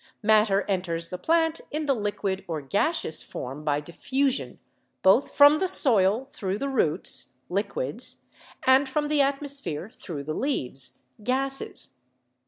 Matter en ters the plant in the liquid or gaseous form by diffusion, both from the soil through the roots (liquids) and from the atmosphere through the leaves (gases).